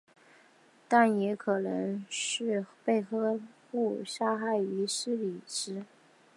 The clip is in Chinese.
但也可能是被斯堪的纳维亚人杀害于福里斯。